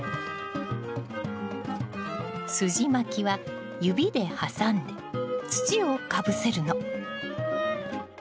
すじまきは指で挟んで土をかぶせるの。